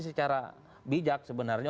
secara bijak sebenarnya